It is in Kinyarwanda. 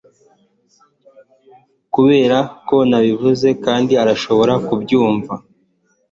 Kubera ko ntabivuze kandi urashobora kubyumva